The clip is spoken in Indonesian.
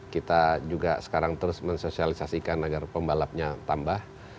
kita juga sekarang terus mensosialisasikan agar pembalapnya tambah